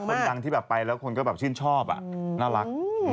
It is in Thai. เป็นคู่รักคนดังที่ไปแล้วคนก็ชื่นชอบน่ารัก